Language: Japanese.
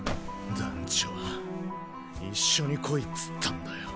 団ちょは一緒に来いっつったんだよ。